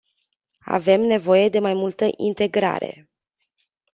Avem nevoie de mai multă integrare.